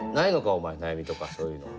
お前悩みとかそういうの。